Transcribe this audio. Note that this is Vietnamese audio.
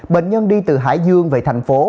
bệnh nhân đi từ hải dương về thành phố